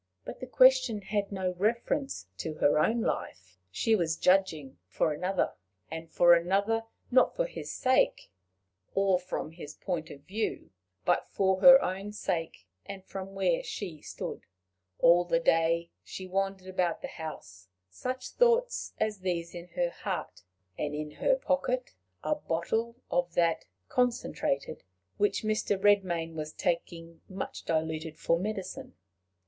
But the question had no reference to her own life: she was judging for another and for another not for his sake, or from his point of view, but for her own sake, and from where she stood. All the day she wandered about the house, such thoughts as these in her heart, and in her pocket a bottle of that concentrated which Mr. Redmain was taking much diluted for medicine.